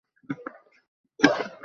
কথাটা শুনে ভালো লাগলো!